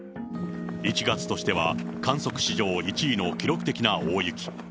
１月としては観測史上１位の記録的な大雪。